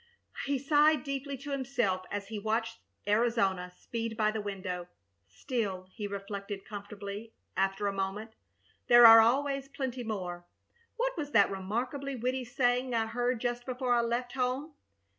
He sighed deeply to himself as he watched Arizona speed by the window. "Still," he reflected, comfortably, after a moment, "there are always plenty more! What was that remarkably witty saying I heard just before I left home?